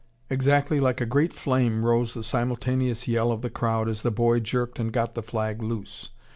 Exactly like a great flame rose the simultaneous yell of the crowd as the boy jerked and got the flag loose.